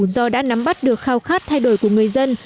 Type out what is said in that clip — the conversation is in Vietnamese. do đã nắm bắt được khao khát thay đổi của người dân